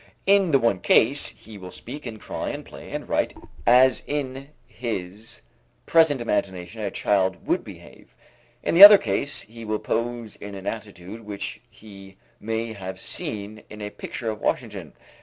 In the one case, he will speak and cry and play and write as in his present imagination a child would behave; in the other case, he will pose in an attitude which he may have seen in a picture of Washington.